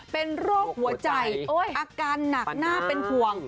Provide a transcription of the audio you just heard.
เป็นโรคหัวใจอาการหนักน่าเป็นห่วง